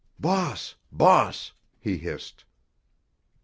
"Boss! Boss!" he hissed.